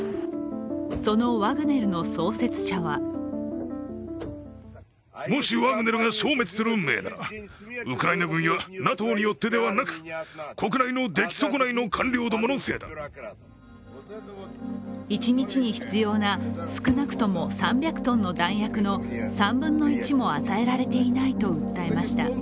そのワグネルの創設者は一日に必要な少なくとも３００ｔの弾薬の３分の１も与えられていないと訴えました。